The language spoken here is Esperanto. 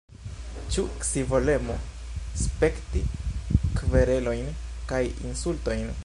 Ĉu scivolemo spekti kverelojn kaj insultojn?